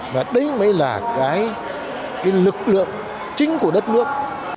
và đấy mới là cái lực lượng chính của đất nước